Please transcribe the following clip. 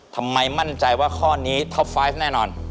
ทำไมมั่นใจว่าข้อนี้ท็อปไฟล์แน่นอน